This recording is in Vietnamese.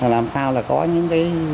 làm sao có những cái